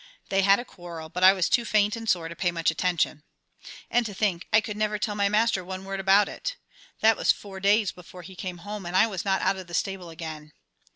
They had a quarrel, but I was too faint and sore to pay much attention. And to think I could never tell my Master one word about it. That was four days before he came home, and I was not out of the stable again.